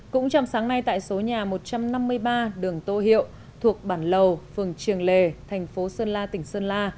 cũng trong sáng nay tại số nhà một trăm năm mươi ba đường tô hiệu thuộc bản lầu phường trường lề thành phố sơn la tỉnh sơn la